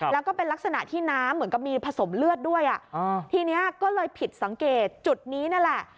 แล้วก็เป็นลักษณะที่น้ำเหมือนกับมีผสมเลือดด้วยอ่ะทีนี้ก็เลยผิดสังเกตจุดนี้นั่นแหละ